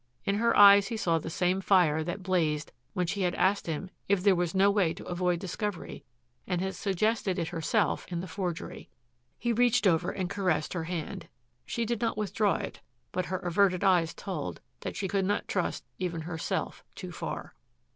In her eyes he saw the same fire that blazed when she had asked him if there was no way to avoid discovery and had suggested it herself in the forgery. He reached over and caressed her hand. She did not withdraw it, but her averted eyes told that she could not trust even herself too far.